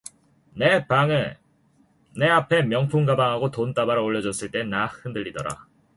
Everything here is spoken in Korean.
내 앞에 명품 가방하고 돈다발 올려젔을 때 나 흔들리더라